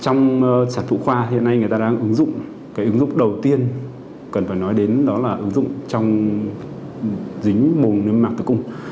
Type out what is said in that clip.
trong sản phụ khoa hiện nay người ta đang ứng dụng cái ứng dụng đầu tiên cần phải nói đến đó là ứng dụng trong dính mông viêm mạc tử cung